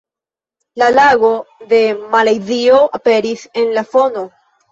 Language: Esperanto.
La flago de Malajzio aperis en la fono.